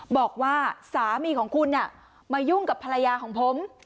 บอกว่าสามีของคุณมายุ่งกับภรรยาของผม